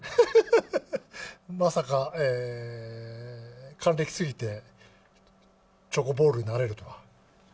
まさか還暦過ぎて、チョコボールになれるとは。